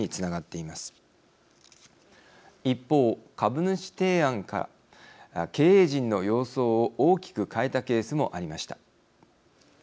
一方株主提案が経営陣の様相を大きく変えたケースもありました。